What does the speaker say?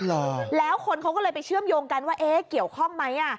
แล้วคนเขาก็เลยไปเชื่อมโยงกันว่าเกี่ยวข้อมั้ย